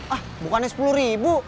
ah bukannya sepuluh ribu